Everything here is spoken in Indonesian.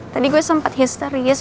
tadi gue sempet histeris